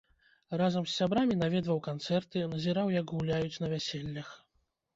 Разам з сябрамі наведваў канцэрты, назіраў як гуляюць на вяселлях.